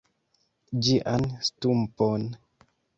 ĝian stumpon.